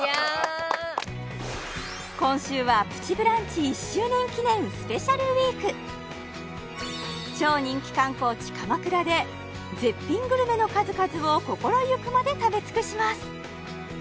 今週はプチブランチ１周年記念スペシャルウィーク超人気観光地鎌倉で絶品グルメの数々を心ゆくまで食べ尽くします！